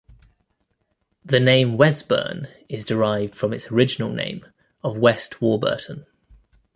The name Wesburn is derived from its original name of West Warburton.